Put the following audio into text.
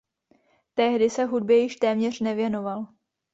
Tehdy se hudbě již téměř nevěnoval.